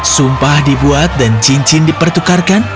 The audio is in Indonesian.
sumpah dibuat dan cincin dipertukarkan